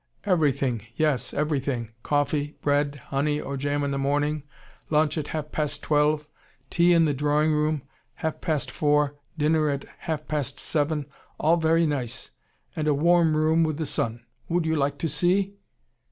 "Everything. Yes, everything. Coffee, bread, honey or jam in the morning: lunch at half past twelve; tea in the drawing room, half past four: dinner at half past seven: all very nice. And a warm room with the sun Would you like to see?"